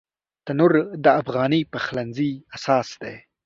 تنور د افغاني پخلنځي اساس دی